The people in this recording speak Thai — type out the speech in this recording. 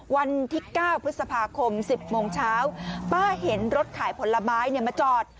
วันที่๙พฤษภาคม๑๐โมงเช้าป้าเห็นรถขายผลไม้มาจอด